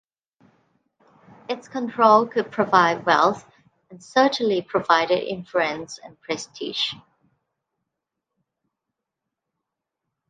Its control could provide wealth - and certainly provided influence and prestige.